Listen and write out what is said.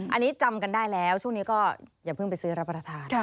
อันนี้จำกันได้แล้วช่วงนี้ก็อย่าเพิ่งไปซื้อรับประทาน